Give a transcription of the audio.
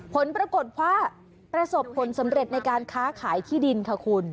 ผลปรากฏว่าประสบผลสำเร็จในการค้าขายที่ดินค่ะคุณ